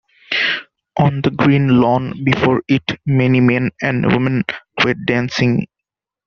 On the green lawn before it, many men and women were dancing.